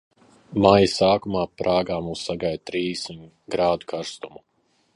Maija sākumā Prāga mūs sagaida ar trīsdesmit grādu karstumu.